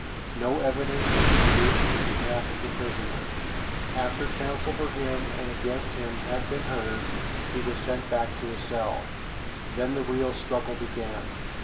No evidence was produced in behalf of the prisoner. After counsel for him and against him had been heard, he was sent back to his cell. Then the real struggle began.